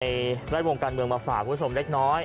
ในระดแบบวงการเมืองบรรษาภูมิชมเล็กน้อย